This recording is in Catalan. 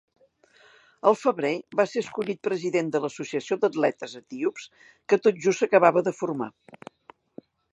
Al febrer, va ser escollit president de l'Associació d'Atletes Etíops, que tot just s'acabava de formar.